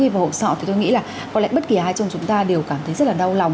và cả phẫn nộ nữa